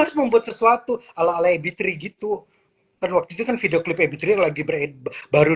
harus membuat sesuatu ala ala ebitre gitu kan waktu itu kan videoclip ebitre lagi baru